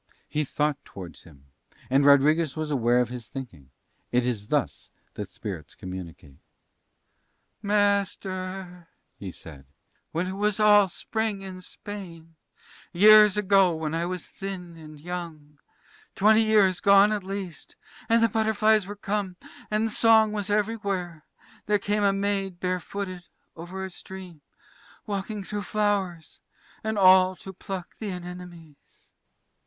He thought towards him, and Rodriguez was aware of his thinking: it is thus that spirits communicate. "Master," he said, "when it was all spring in Spain, years ago when I was thin and young, twenty years gone at least; and the butterflies were come, and song was everywhere; there came a maid bare footed over a stream, walking through flowers, and all to pluck the anemones."